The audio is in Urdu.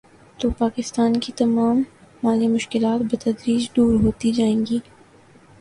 تو پاکستان کی تمام مالی مشکلات بتدریج دور ہوتی جائیں گی۔